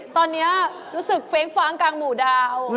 ตอนนี้รู้สึกเฟ้งฟ้างกลางหมู่ดาว